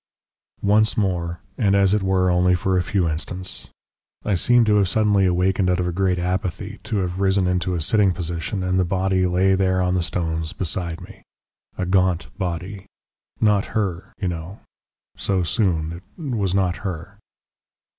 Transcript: "Once more, and as it were only for a few instants. I seemed to have suddenly awakened out of a great apathy, to have risen into a sitting position, and the body lay there on the stones beside me. A gaunt body. Not her, you know. So soon it was not her....